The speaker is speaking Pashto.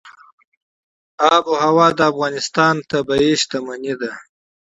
آب وهوا د افغانستان طبعي ثروت دی.